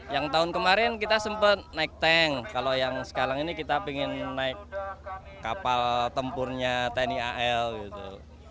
yang tahun kemarin kita sempat naik tank kalau yang sekarang ini kita ingin naik kapal tempurnya tni al gitu